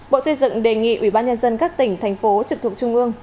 bộ xây dựng đề nghị ủy ban nhân dân các tỉnh thành phố trực thuộc trung ương